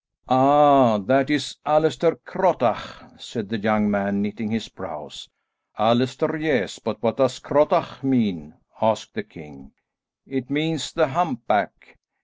"Ah, that is Allaster Crottach," said the young man, knitting his brows. "Allaster, yes, but what does Crottach mean?" asked the king. "It means the humpback."